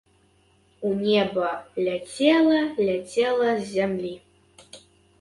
У неба ляцела, ляцела з зямлі.